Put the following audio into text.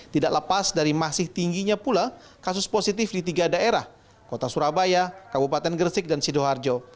tidak lepas dari masih tingginya pula kasus positif di tiga daerah kota surabaya kabupaten gresik dan sidoarjo